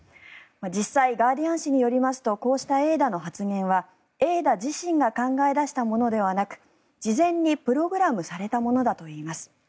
実際ガーディアン紙によりますとこうしたＡｉ−Ｄａの発言はＡｉ−Ｄａ自身が考え出したものではなく事前にプログラミングされたものだといいます。